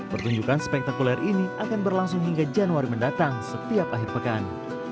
pertunjukan spektakuler ini akan berlangsung hingga januari mendatang setiap akhir pekan